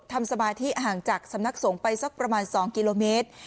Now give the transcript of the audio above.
สมาธิห่างจากสำนักสงฆ์ไปสักประมาณ๒กิโลเมตร